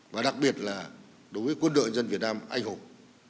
và đặc biệt là đối với quân đội dân việt nam anh hùng